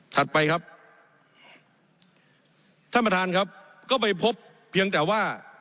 ไปครับท่านประธานครับก็ไปพบเพียงแต่ว่า